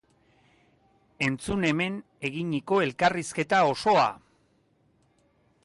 Entzun hemen eginiko elkarrizketa osoa!